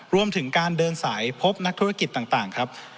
รวมถึงการเดินสายพบนักธุรกิจต่างครับ